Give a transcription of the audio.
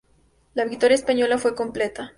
La victoria española fue completa.